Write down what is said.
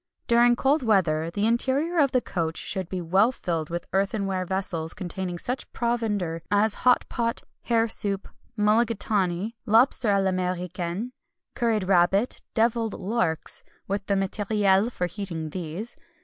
During cold weather the interior of the coach should be well filled with earthenware vessels containing such provender as hot pot, hare soup, mullagatawny, lobster à l'Américaine, curried rabbit, devilled larks with the matériel for heating these.